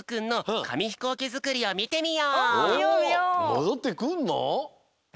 もどってくんの？